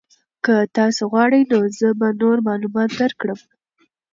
که تاسو غواړئ نو زه به نور معلومات درکړم.